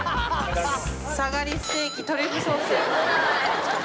サガリステーキトリュフソース